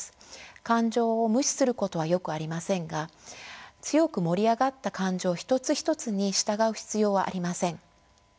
感情を無視することはよくありませんが強く盛り上がった感情一つ一つに従う必要はありません。